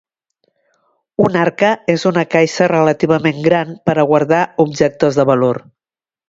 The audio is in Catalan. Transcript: Una arca és una caixa relativament gran per a guardar objectes de valor.